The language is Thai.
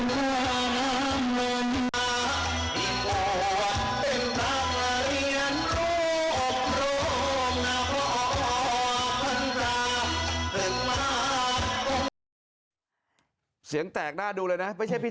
ลืมเผินนะแปลงของไทยมาเพลงชัวร์ไทย